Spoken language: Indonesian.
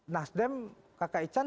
nasdem kakak ican